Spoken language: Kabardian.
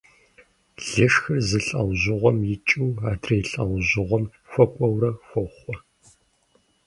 Лышхыр зы лӀэужьыгъуэм икӀыу адрей лӀэужьыгъуэм хуэкӀуэурэ хохъуэ.